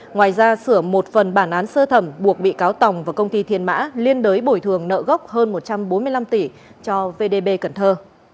ngoài ra sửa một phần bản án sơ thẩm buộc bị cáo tòng và công ty thiên mã liên đới bồi thường nợ gốc hơn một trăm bốn mươi năm tỷ cho vdb cần thơ